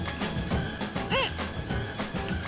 うん！